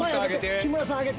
木村さん上げて。